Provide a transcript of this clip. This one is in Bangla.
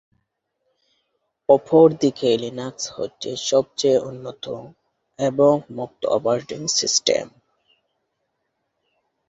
অপরদিকে লিনাক্স হচ্ছে সবচেয়ে উন্নত, এবং মুক্ত অপারেটিং সিস্টেম।